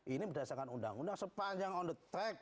ini berdasarkan undang undang sepanjang on the track